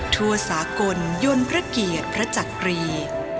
ทั่วสากลยนต์พระเกียรติพระจักรี